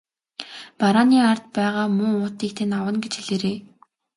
Барааны ард байгаа муу уутыг тань авна гэж хэлээрэй.